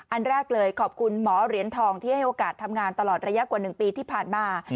อันแรกเลยขอบคุณหมอเหรียญทองที่ให้โอกาสทำงานตลอดระยะกว่า๑ปีที่ผ่านมา